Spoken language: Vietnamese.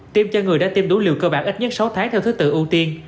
tiêm cho người đã tiêm đủ liều cơ bản ít nhất sáu tháng theo thứ tự ưu tiên